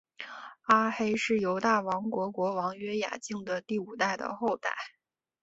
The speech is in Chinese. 阿黑是犹大王国国王约雅敬的第五代的后代。